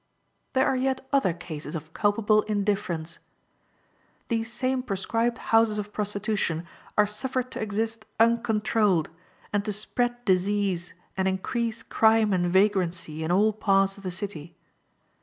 There are yet other cases of culpable indifference. These same proscribed houses of prostitution are suffered to exist uncontrolled, and to spread disease and increase crime and vagrancy in all parts of the city.